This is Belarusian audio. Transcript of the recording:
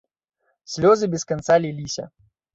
Слёзы без канца ліліся.